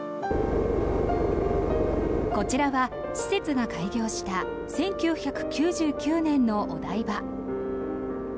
こちらは施設が開業した１９９９年のお台場。